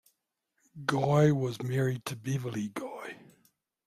Guy was married to Beverly Guy.